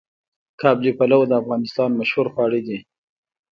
قابلي پلو د افغانستان مشهور خواړه دي.